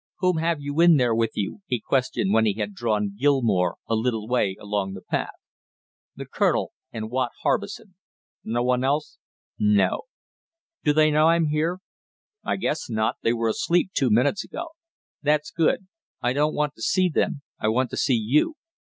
"Whom have you in there with you?" he questioned when he had drawn Gilmore a little way along the path. "The colonel and Watt Harbison." "No one else?" "No." "Do they know I'm here?" "I guess not, they were asleep two minutes ago." "That's good. I don't want to see them, I want to see you."